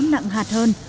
nặng hạt hơn